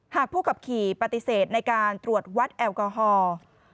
ผู้ขับขี่ปฏิเสธในการตรวจวัดแอลกอฮอล์